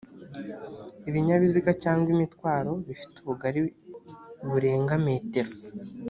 ibinyabiziga cyangwa imitwaro bifite ubugari burenga metero